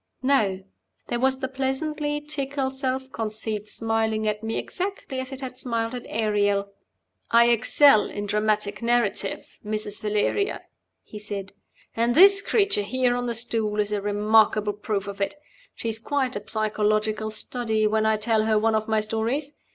No! There was the pleasantly tickled self conceit smiling at me exactly as it had smiled at Ariel. "I excel in dramatic narrative, Mrs. Valeria," he said. "And this creature here on the stool is a remarkable proof of it. She is quite a psychological study when I tell her one of my stories.